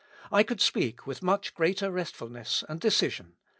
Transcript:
I could speak with much greater restfulness and decision.